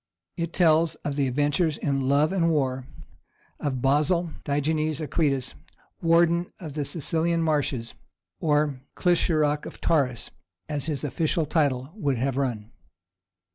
It tells of the adventures in love and war of Basil Digenes Akritas, warden of the Cilician Marches, or "Clissurarch of Taurus," as his official title would have run.